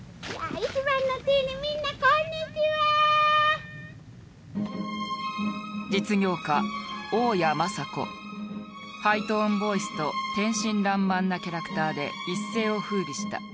１番のチームハイトーンボイスと天真らんまんなキャラクターで一世をふうびした。